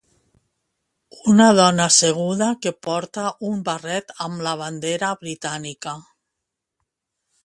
Una dona asseguda que porta un barret amb la bandera britànica.